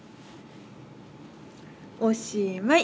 おしまい。